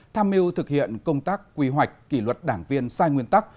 tham mưu thực hiện công tác quy hoạch kỷ luật đảng viên sai nguyên tắc